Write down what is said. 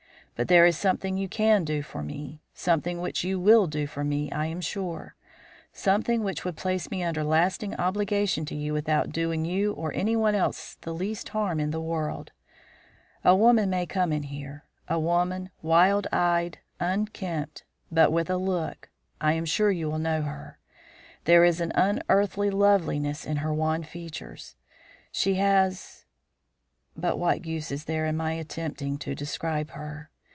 But there is something you can do for me something which you will do for me, I am sure; something which would place me under lasting obligation to you without doing you or anyone else the least harm in the world. A woman may come in here; a woman, wild eyed, unkempt, but with a look I am sure you will know her. There is an unearthly loveliness in her wan features. She has But what use is there in my attempting to describe her?